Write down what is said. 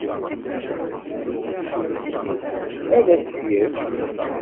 Ad as-tt-yefk?